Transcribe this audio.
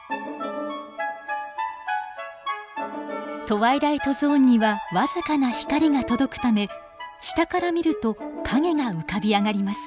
トワイライトゾーンには僅かな光が届くため下から見ると影が浮かび上がります。